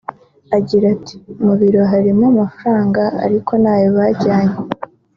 Agira ati “Mu biro harimo n’amafaranga ariko ntayo bajyanye